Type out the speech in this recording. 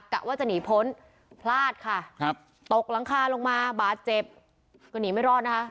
กะว่าจะหนีพ้นพลาดค่ะครับตกหลังคาลงมาบาดเจ็บก็หนีไม่รอดนะคะ